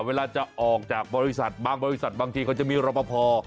เวลาจะออกจากบริษัทบางบริษัทบางทีเขาจะมีรอปภ